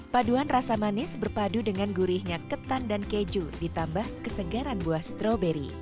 paduan rasa manis berpadu dengan gurihnya ketan dan keju ditambah kesegaran buah stroberi